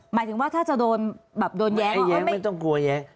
หมายถึงว่าถ้าจะโดนแบบโดนแย้งไม่แย้งไม่ต้องกลัวแย้ง